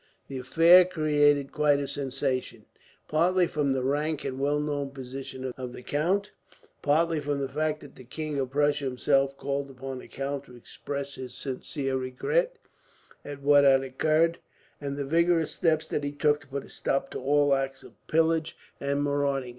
The affair created quite a sensation, partly from the rank and well known position of the count, partly from the fact that the King of Prussia, himself, called upon the count to express his sincere regret at what had occurred, and the vigorous steps that he took to put a stop to all acts of pillage and marauding.